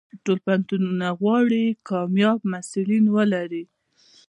ټول پوهنتونونه غواړي کامیاب محصلین ولري.